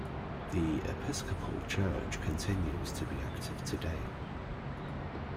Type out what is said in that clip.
The Episcopal church continues to be active today.